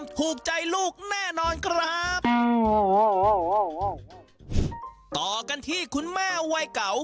ต่อกันที่คุณแม่วัยเก่า